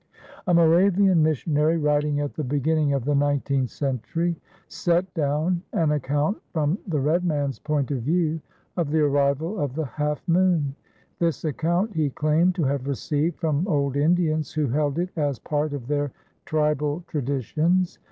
A Moravian missionary, writing at the beginning of the nineteenth century, set down an account from the red man's point of view of the arrival of the Half Moon. This account he claimed to have received from old Indians who held it as part of their tribal traditions.